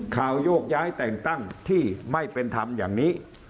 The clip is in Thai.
โยกย้ายแต่งตั้งที่ไม่เป็นธรรมอย่างนี้